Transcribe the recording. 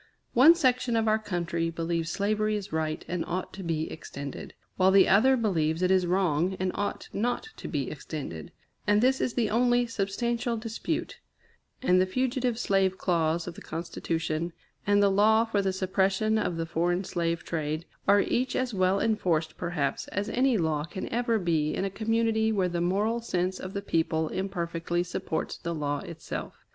One section of our country believes slavery is right and ought to be extended, while the other believes it is wrong and ought not to be extended; and this is the only substantial dispute; and the fugitive slave clause of the Constitution, and the law for the suppression of the foreign slave trade, are each as well enforced, perhaps, as any law can ever be in a community where the moral sense of the people imperfectly supports the law itself.